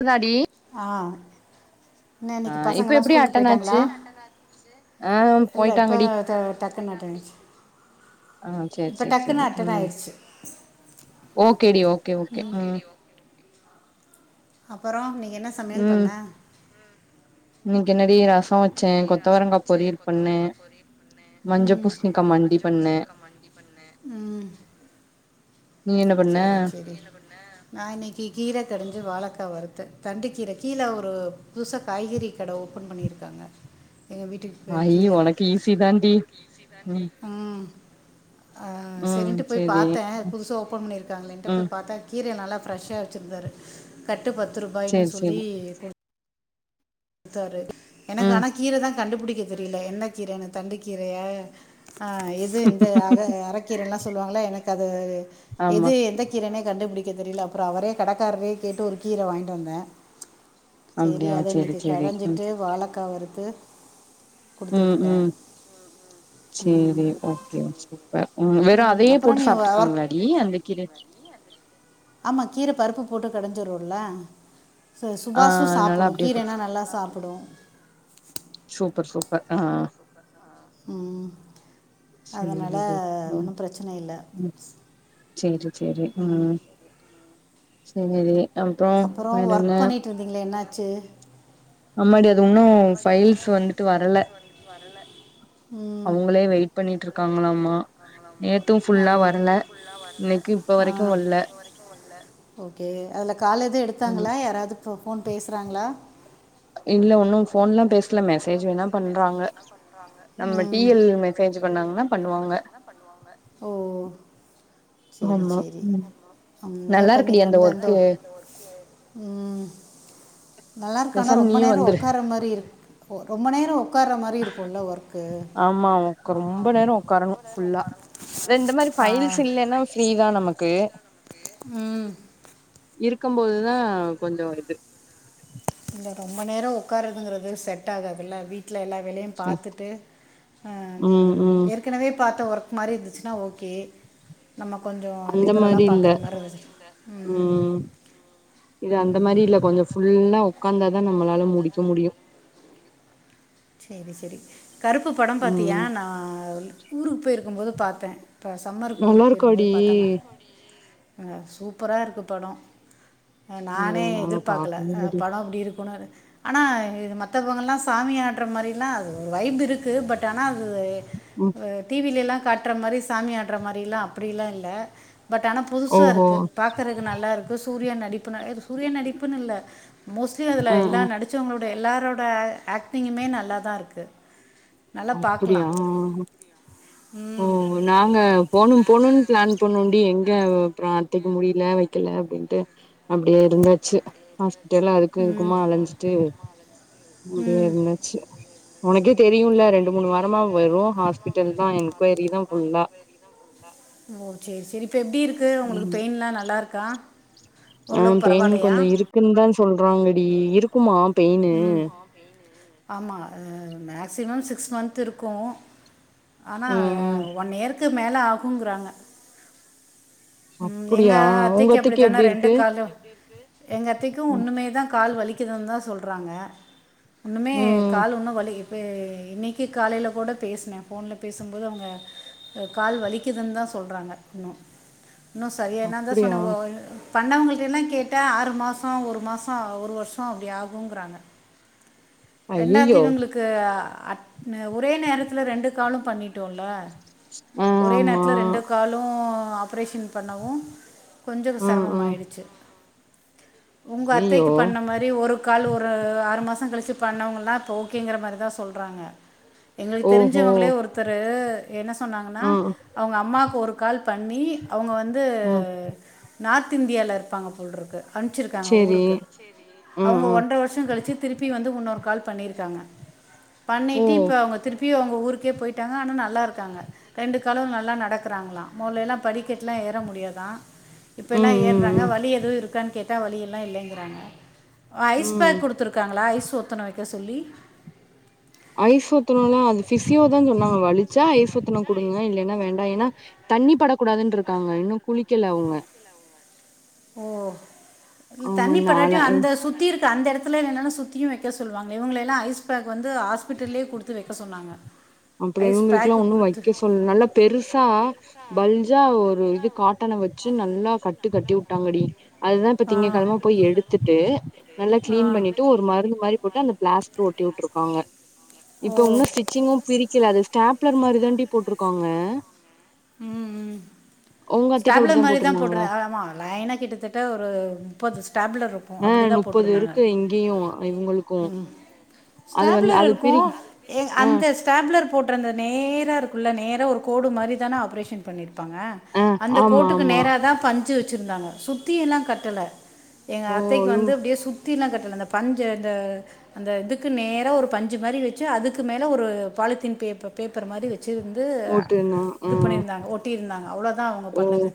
க்குதாடி ஆ என்ன ஆ இன்னைக்கு இப்ப பசங்கல்லா எப்டி ஸ்கூலுக்கு அட்டன் போயிட்டாங்களா ஆச்சு ஆ இல்ல இப்ப போயிட்டாங்கடி தா டக்கனு அட்டன் ஆச்சு ஆ சேரி இப்ப டக்குனு அட்டன் ஆச்சி ஓகே டி ஓகே ஓகே ம் அப்பற இன்னைக்கு என்ன சமையல் ம் பண்ண இன்னைக்கு என்னடி ரச வச் என்னடி ரசம் வச்சே கொத்தவரங்கா பொரியல் பண்ணே மஞ்ச ம் பூசணிக்கா மண்டி மஞ்ச பண்ணே பூசணிக்கா மண்டி பண்ண ம் நீ என்ன பண்ண செரி செரி நீ என்ன பன்ன நான் இன்னைக்கு கீரை கடைஞ்சு வாழக்கா வருத்த தண்டு கீர கீழ ஒரு புதுசா காய்கறி கட ஓபன் பண்ணிருக்காங்க அ இ ஒனக்கு ஈ சி தான்டி ம் ஆ ம் சரின்ட்டு போய் சேரி பாத்த புதுசா ஓப் இருக்காங்களேன்டு ம் போய் பாத்தா கீர நல்லா பிரரெஷ்ஷா வச்சிருந்தாரு கட் டு பத்து ரூபாயுனு சேரி சேரி சொல்லி எடுத்தாரு எனக்கு ம் ஆனா கீரதா கண்டுபிடிக்க தெரியல என்ன கீரனு தண்டு கீரையா ஆ எது இந்த அக அரக்கீரல்லா சொல்லுவாங்கள எனக்கு அது ஆமா எது எந்த கீரனே கண்டுபிடிக்க தெரியல அப்பற அவரே கடக்காரரே கேட்டு ஒரு கீர வாங்கிட்டு வந்தே அப்டியா செரி செரி கடஞ்சிட்டு வாழக்கா வருத்து ம் ம் ம். செரி ஓகே சூப்பர் ம் வெறு அதையே அப்புறம் போட்டு நீ ஒர்க் சாப்பிட்டுக்குவீங்களாடி அந்த கீர ஆமா கீரை பருப்பு போட்டு கடஞ்சருல ச ஆ சுபாஷு அதனால சாப்புடு அப்டியே கீரைனா போட்டு நல்லா சாப்புடு சூப்பர் சூப்பர் ஆ ம் சேரிடி அதனால ஒன்னு பிரச்சனை இல்ல செரி செரி ம் செரி அப்றோ அப்புறம் வேறென்ன ஒர்க் பண்ணிட்டு இருந்தீங்களே என்னாச்சு அமாடி அது இன்னு ஃபைல்ஸ் வந்துட்டு வரல ம் அவங்களே வெயிட் பண்ணிட்டு இருக்காங்களாமா நேத்து ஆ ஃபுல்லா வரல இன்னைக்கு இப்ப ஆ வரைக்கு வல்ல ஓகே அதுல கால் எதும் ம் எடுத்தாங்களா யாராது இப்போ ஃபோன் பேசுறாங்களா இல்ல ஒன்னு போன்ல்லா பேச ல்ல மெசேஜ் வேணா பண்றாங்க நம்ம டி ம் எல் மெசேஜ் பண்ணாங்கன்னா பண்ணுவாங்க ஓ செரி ஆமா செரி ம் ம் நல்லா எப்ப இருக்குடி இன்னைக்கு அந்த ஒண்ணு எந்த ஒர்க்கு ஒர்க் ம் நல்லா இருக்கு ஆனா பேசாம ரொம்ப நீயு நேர வந்துரு உக்கார மாரி இருக் ரொம்ப நேரோ ஒக்கார மாரி இருக்குல ஒர்க் ஆமா ரொம்ப நேரோ ஒக்காரணு ஃபுல்லா இந்த மாரி ஆ ஃபைல்ஸ் இல்லன்னா ஃப்ரீதா நமக்கு ம் இருக்கும்போதுதா கொஞ்சோ இது இல்ல ரொம்ப நேரோ உக்காருதுங்கறது செட் ஆகதுல்ல வீ ட்ல எல்லா வேலையு பாத்துட்டு ம் ஏற்கனவே பார்த்த ஒர்க் மாரி இருந்துச்சுன்னா ஓகே நம்ம கொஞ்சோ அந்த லிபரலா மாரி இல்ல பாக்கற மாரி வருது ம் இது அந்த மாரி இல்ல கொஞ்சோ ஃபுல்லா உக்காந்தாதா நம்மளால முடிக்க முடியு செரி செரி கருப்பு படம் பாத்தியா ம் நா ஊருக்கு போயிருக்கும்போது பாத்தே இப்போ சம்மருக்கு ஊருக்கு போயிருக்கும்போது ஏ அ சூப்பராக இருக்கு படம் உங்கள நானே நாங்க எதிர்பாக்கல பாக்கவே இல்லடி படம் அப்டி இருக்குன்னு ஆனா இது மத்தவங்கலா சாமி ஆட்ற மாரில்லா அது ஒரு வைப் இருக்கு பட் ஆனா அது ம் து வே டி வி ல எல்லாம் காட்டுற மாரி சாமி ஆட்ற மாரில்லா அப்டிலா இல்ல பட் ஆனா புதுசா ஓஹோ இருக்கு பாக்குறக்கு நல்லா இருக்கு சூரியா நடிப்பு சூரியா நடிப்புன்னு இல்ல மோஸ் மோஸ்ட்லி அதுல ஆ ஆ எல்லா நடிச்சவங்களோட எல்லாரோட ஆக்டிங்குமே நல்லா தா இருக்கு அப்படியா ஓ ம் நாங்க போனு போனும்னு பிளான் பண்ணோன்டி எங்க எங்க அவே அப்றோ அத்தைக்கு முடில வெக்கல அப்டின்ட்டு அப்டியே இருந்தாச்சி இதெல்லா அதுக்கு ம் இதுக்குமா அலைஞ்சிட்டு அப்டியே ம் இருந்தச்சி உனக்கே தெரியும்ல ரெண்டு மூணு வாரமா வெரு ஹாஸ்பிட்டல் தா என்குயரி தா ஃபுல்லா ம் ஓ சேரி சேரி இப்ப எப்டி இருக்கு உங்களுக்கு ம் பெயின்லா நல்லா இருக்கா ஆ ஓரளவுக்கு பெயின் பரவாயில்லையா கொஞ்சோ இருக்குன்னு தா சொல்றாங்கடி இருக்குமா பெயினு ம் ஆமா அ மே மேக்ஸிமம் சிக்ஸ் மந்த் இருக்கு ஆனா ம் ம் ஒன் இயர்கு மேல ஆகுங்கறாங்க ம் எங்க அப்டியா உங்க அத்தைக்கு அப்டித்தானே எப்டி ரெண்டு இருக்கு காலு எங்க அத்தைக்கு ம் உன்னுமே தா கால் வலிக்குதுன்னு தா சொல்றாங்க உன்னுமே ம் கால் உன்னு வலி இப்பே இன்னைக்கி காலையில கூட பேசினே ஃபோன்ல பேசும்போது அவுங்க கால் வலிக்குதுன்னு தா சொல்றாங்க இன்னு இன்னு சரிய நா தா அப்டியா சொன்னே ஒ பண்ணவங்கள் கிட்ட எல்லா கேட்டா ஆறு மாசோ ஒரு மாசோ ஒரு வருஷோ அப்டி ஆகுங்கிறாங்க ரெண்டாது ஐயையோ இவுங்களுக்கு அட் ஒரே நேரத்துல ரெண்டு காலு பண்ணிட் டோல ஆ ஒரே ஆமா நேரத்ல ரெண்டு காலு ஆபாரேஷன் பண்ணவு கொஞ்சோ ம் செரமம் ம் ஆயிடுச்சு உங்க ஐயையோ அத்தைக்கு பண்ண மாரி ஒரு கால் ஒரு ஆறு மாசோ கழிச் ச்சி பண்ணவங்கல்லா இப்ப ஓகேங்கற மாரி தா சொல்றாங்க எங்களுக்கு ஓஹோ தெரிஞ்சவங்களே ஒருத்தரு என்ன சொன்னாங்கன்னா ம் அவுங்க அம்மாக்கு ஒரு கால் பண்ணி அவுங்க வந்து ம் நார்த் இந்தியால இருப்பாங்க போல் இருக்கு அம்சிருக்காங்க சேரி ஊருக்கு ம் அவுங்க ம் ஒன்ற வருஷோ கழிச்சு திருப்பி வந்து உன்னோ ஒரு கால் பண்ணியிருக்காங்க ஓ பண்ணிட்டு இப்ப அவுங்க திருப் ப்பியு அவுங்க ஊருக்கே போயிட்டாங்க ஆனா நல்லா இருக்காங்க ரெண்டு காலு நல்லா நடக்குறாங்களா மொதலெல்லா படிக் கட்லா ஏற முடியாதா இப்பெல்லா ம் ம் ஏற்றாங்க ம் வலி எதுவு இருக்கான்னு கேட் டா வலி எல்லா இல்லங்கறாங்க ஐஸ் ம் பேக் குடுத்திருக்காங்களா ஐஸ் ஒத்தனோ வெக்க சொல்லி ஐஸ் ஒத்தனோல்லா அது பிசியோதா சொன்னாங்க வலிச்சா ஐஸ் ஒத்தனோ குடுங்க இல்லன்னா வேண்டா ஏன்னா தண்ணி பட கூடாதுன்று இருக்காங்க இன்னு குளிக்கல அவுங்க ஓ ஆமா தண்ணி படாட்டி நாள அந்த சுத்தி இருக் அந்த எடத்துல என்னன்னான சுத்தியு வெக்க சொல்லுவாங்க இவுங்களயெல்லா ஐஸ் பேக் வந்து ஹாஸ்பிட்டல்லயே குடுத்து வெக்க சொன்னாங்க அப்டி ஐஸ் இவுங்கலுக்லா பேக்கு ஒன்னு கொடுத்து வெக்க சொல்ல நல்லா பெருசா பல்ஜா ஒரு இது காட்டன் வெச்சு நல்லா கட்டு கட்டி உட்டாங்கடி அதுதா இப்ப ஆ திங்ககெழம போய் எடுத்துட்டு நல்லா ஆ கிளீன் பண்ணிட்டு ஒரு மருந்து மாரி போட்டு அந்த பிளாஸ்ட்ரு ஒட்டி உட்டுருக்காங்க இப்ப உன்னு ஓ ஸ்டிச்சிங்கு பிரிக்கல அது ஸ்டாப்லர் மாரி தாண்டி போட்டிருக்காங்க ம் ம் அத்தைக்கு ஸ்டாப்ளர் அப்டித்தா மாரி தா போட்டிரு போட்ருந்தாங்களா ஆமா லைனா கிட்டத்தட்ட ஒரு முப்பது ஸ்டாப்ளர் இருக் ஆ முப்பது இருக்கு இங்கேயு இவுங்களுக்கு ஸ்டாப்லர் இருக்கு ஏ ஆ அந்த ஸ்டாப்ளர் போட்ருந்த நேரா இருக்குல்ல நேரா ஒரு கோடு மாரி தான ஆப்ரேஷன் பண்ணிருப்பாங்க ஆ அந்த ஆமா கோட்டுக்கு ஆமா நேரா தா பஞ்சு வச்சு ச்சுருந்தாங்க சுத்தி எல்லா கட்டல எங்க ஓ அத்தைக்கு வந்து அப்டியே சுத் சுத்திலா கட்டல அந்த பஞ்சு அந்த அந்த இதுக்கு நேரா ஒரு பஞ்சு மாரி வச்சு அதுக்கு மேல ஒரு பா பாலித்தீன் பே பேப்பர் மாரி வச்சுருந்து ஓட்டுனா ஆ இது பண்ணியிருந்தாங்க ஒட்டியிருந்தாங்க அவ்ளோதா அவுங்க ஓ பண்ணது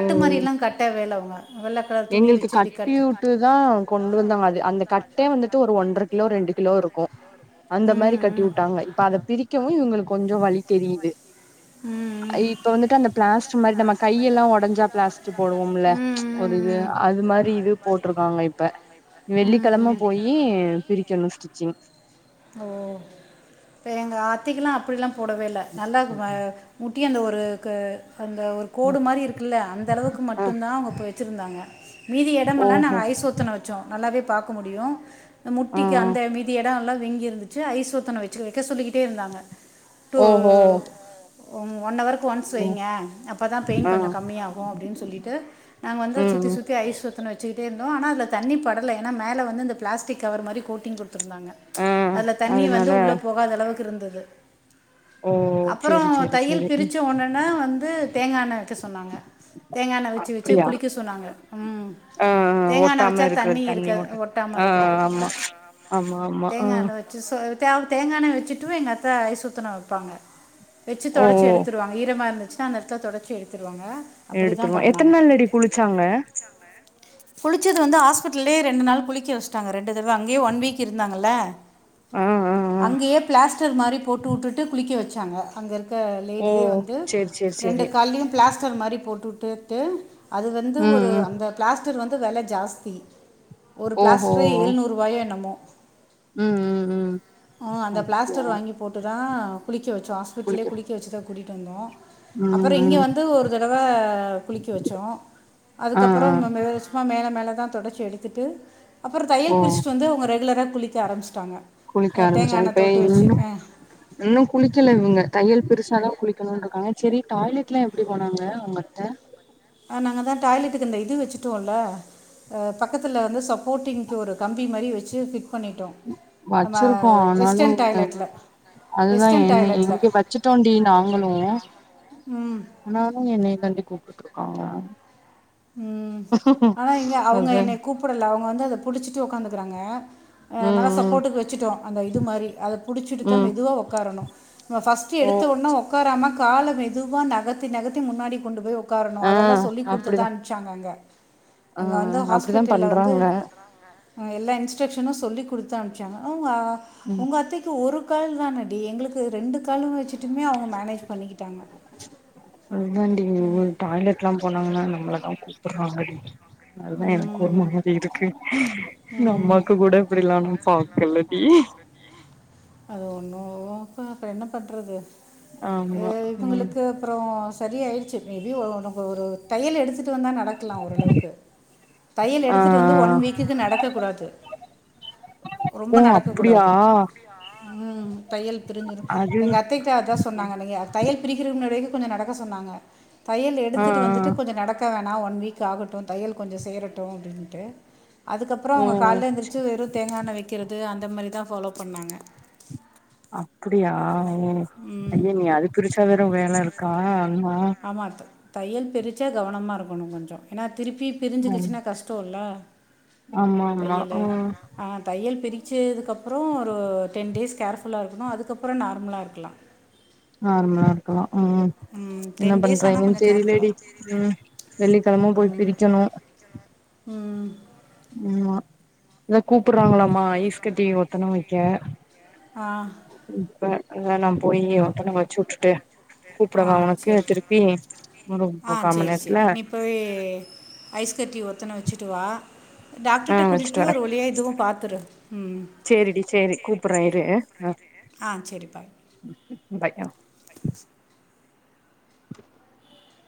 ஓ ஓ மாரிலா கட்டவே இல்ல அவுங்க எங்களுக்கு கட்டி வுட்டுதா கொண்டு வந்தாங்க அது அந்த கட்டே வந்துட்டு ஒரு ஒன்ற கிலோ ரெண்டு கிலோ இருக்கு அந்த மாரி ம் கட்டி ம் வுட்டாங்க இப்ப அத பிரிக்கவு இவுங்களுக்கு கொஞ்சோ வலி தெரியுது ம் ம் இப்ப வந்துட்டு அந்த ப்ளாஸ்ட் மாரி நம்ம கையெல்லா ஒடஞ்சா ப்ளாஸ்ட்ரு போடுவோம்ல ஒரு ம், ம், அது மாரி இது போட்ருக்காங்க இப்ப வெள்ளிக்கெழம ம். போயி பிரிக்கணு ஸ்டிச்சிங் ஓ இப்ப எங்க அத்தைக்கெலா அப்டில்லா போடவே இல்ல நல்லாக்கு வ முட்டியாண்ட அந்த ஒரு கு அந்த ஒரு கோடு மாரி இருக்குல்ல அந்த அளவுக் க்கு ஆ மட்டுந்தா அவுங்க அப்ப வச்சுருந்தாங்க மீதி எடமெல்லா ஓஹோ நாங்க ஐஸ் ஒத்தனும் வச்சோ நல்லாவே பாக்க முடியு ஆ முட்டிக்கு ஆ அந்த மீதி எடோல்லா இருந்துச்சு ஐஸ் ஒத்தனோ வச்சு வக்க சொல்லிக்கிட்டே இருந்தாங்க ஓ ஹோ ஒம் ஒன்னவர் ஒன்ஸ் வைங்க அப்பதா பெயின் ஆ கொஞ்ச கம்மியாகு அப்டின் சொல்லிட்டு நாங்க வந்து ம் சுத்தி ம் சுத்தி ஐஸ் வச் வச்சுக்கிட்டேருந்தோ ஆனா அதுல தண்ணி படல ஏன்னா மேல வந்து இந்த பிளாஸ்டிக் கவர் மாரி கோட்டிங் குடுத்துருந்தாங்க ஆ அதுல தண்ணி வந்து அதனால உள்ள போகாத அளவுக்கு இருந்தது ஓ அப்பறோ சேரி சேரி தையல் சேரி ம் பிருச்ச உடன வந்து தேங்காண்ணெ வக்க சொன்னாங்க தேங்காண்ணெ வச்சு வச்சு அப்டியா குளிக்க சொன்னாங்க ம் ஆ ஆ தேங்காய் எண்ணெய் ஒட்டாம வச்சா இருக்குறது தண்ணி இருக்க மட்டு ஒட்டாமல் ஆ ஆ ஆமா இருக்கிறதுக்கு ஆமாம்மா அ சொல் தே தேங்காண்ணெ வச்சுட்டு எங்க அத்த ஐஸ் ஒத்தரோ வப்பாங்க வச்சு ஓ ஓ தொடச்சு எடுத்துருவாங்க ஈரமா இருந்துச்சுன்னா அந்த எடத்த தொடச்சு எடுத்து எடுத்துருவோ எத்தன நாள்ளடி குளுச்சாங்க குளுச்சது வந்து ஹாஸ்பிட்டல்லயே ரெண்டு நாள் குளிக்க வச்ட்டாங்க ரெண்டு தடவ அங்கேயே ஒன் வீக் இருந்தாங்கல்ல ஆ ஆ ஆ அங்கயே பிளாஸ்டர் மாரி போட்டு வுட்டுட்டு குளிக்க வச்சாங்க அங்க இருக்க க்க ஓ லேடியே வந்து சேரி சேரி ரெண்டு சேரி கால்லையு பிளாஸ்டர் மாரி போட்டு வுட்டுட்டு அது வந்து ம் ஒரு ம் அந்த பிளாஸ்டர் வந்து வெல ஜாஸ்தி ஒரு ஓஹோ பிளாஸ்டரே ஏழுநூறுவாயோ என்னமோ ம் ம் ஹும் வோ அந்த பிளாஸ்டர் வாங்கி போட்டு தா குளிக்க வச்சோ ஹாஸ்பிட்டல்லயே குளிக்க வச்சுதா கூட்டிட்டு வந்தோ ம் அப்பறோ இங்க ம் வந்து ஒரு தடவ குளிக்க வச்சோ ஆ ஆ அதுக்கப்பறம் மே சும்மா மேல மேல தா தொடச்சு எடுத்துட்டு அப்பறோ ஓ தையல் பிருச்ட்டு வந்து அவுங்க ரெகுலரா குளிக்க ஆரம்பிச்ட்டாங்க குளிக்க ஆரம்பிச்சாங்க இப்ப இன்னு இன்னு குளிக்கல இவுங்க தையல் பிருச்சாதா குளிக்கணுன்னு இருக்காங்க செரி டாய்லெட்லா எப்டி போனாங்க உங்க அத்த அ நாங்க தா டாய்லெட்டுக்கு இந்த இது வச்சுட்டு ட்டோல பக்கத்துல வந்து சப்போர்டிங்கு ஒரு கம்பி மாரி வச்சு பிட் ட் பண்ணிட்டோ நம்ம வச்சிருக்கோ ஆனாலு வெஸ்டன் இவங்க டாய்லெட்டுல அதுதா என்ன இங்க வச்சுட்டோண்டி நாங்களு ம் ஆனாலு என்னைய தாண்டி கூப்புட்ருக்காங்க ம் ஆனா இங்க அவுங்க அதா என்னைய கூப்புடல அவுங்க வந்து அத புடுச்சுட்டு உக்காந்துக்குறாங்க நல்ல ம் சப்போட்டுக்கு வச்சுட்டோ அந்த இது மாரி அத புடுச்சுட்டுதா ம் ம் மெதுவா ஒக்காரணு ஃபஸ்ட்டு எடு ஓ எடுத்த ஒடனே ஒக்காராம கால மெதுவா நகத்தி நகத்தி முன்னாடி கொண்டு போய் ஒக் உக்காரணு ஆ அதல்லா சொல்லி அப்டிதா குடுத்துதான் அங்க அங்க ஆ அங்க வந்து அப்டிதா ஹாஸ்பிட்டல்ல வந்து பண்றாங்க அ எல்லா இன்ஸ்ட்ரக்ஷனு சொல்லி குடுத்தாச்சா ஆ ம் உங்க அத்தைக்கு ஒரு கால் தானடி எங்களுக்கு ரெண்டு காலு வெச்சு அதுதாண்டி டாய்லெட் எல்லா போனாங்கன்னா என்ன நம்மளதா கூப்புறாங்கடி அதுதா எனக்கு ஒரு ம், மாரி இருக்கு எங்க ம். அம்மாக்கு கூட இப்டிலா ஃபாக்கல்லடி அது ஒண்ணு அப்ப அப்பற என்ன பண்றது ஈ ஆமா ம் இவங்களுக்கு அப்புறோ சரி ஆயிடுச்சு மேபி ஒ ஒனக்கு ஒரு தையல் எடுத்து டு வந்தா நடக்கலா ஓரளவுக்கு தையல் ஆ எடுத்துட்டு வந்து ஒன் ஆ வீக் நடக்கக் கூடாது ஓ அப்டியா ம் தையல் பிரிஞ்சிரு அது எங்க அத்தைக்கு அதா சொன்னாங்க நீங்க தையல் பிரிக்கிற வரைக்கு கொஞ்ச நடக்க சொன்னாங்க தையல் ஆ ஆ எடுத்துட்டு வந்துட்டு கொஞ்ச நடக்க வே ணா ஒன் வீக் ஆகட்டு தையல் கொஞ்ச சேரட்டு அப்டின்ட்டு அதுக்கப்புறோ ஓ அவங்க கால்ல எழுந்திரச்சு வெறு தேங்கா எண்ண வைக்கிறது அந்த மாரி தா ஃபாலோ பண்ணாங்க அப்டியா ம் ம் அடியே நீ அத பிரிச்சா வேற வேல இருக்கா அம்மா ஆமாம் த- தையல் பிரிச்சா கவனமா இருக்கணு கொஞ்சொ ஏன்னா திருப்பி ம் பிரிஞ்சுக்குச்சுன்னா கஷ்டோல்ல ஆமா ஆமா தையலு ம் ஆ தையல் பிரி ச்ச இதுக்கப்புறோ ஒரு டென் டேஸ் கேர்ஃபுல்லா இருக்கணு அதுக்கப்புற நார்மலா இருக்கலா நார்மலா இருக்கா ம் ம் என்ன டென் டேஸ் ஆனா பண்றாங்கன் கொஞ்சோ கேர்ஃபுல்லா தெரிலடி ம் வெள்ளிக்கெழம போய் ம் பிரிக்கணு ம் ம் மா இதா கூப்புடுறாங்களாமா ஐஸ்கட்டி ஒத்தனொ வைக்க ஆ இப்ப அத நா போய் ஒத்தன வச்சு வுட்டுட்டு ஆ கூப்பிடவா உனக்கு சேரி திருப்பி ஒரு ஆ முக்கா மணி சேரி நேரத்துல சேரி நீ போய் ஐஸ் கட்டி ஒத்தன வெச்சுட்டு வா ஆ டாக்டர்ட்ட கூட்டிட்டு போய் ஒரு வழியா இதுவு பாத்துரு ம் சேரி டி சேரி கூப்பிட்றே இரு ஆ ஆ சரி பாய் ம் பாய் ஆ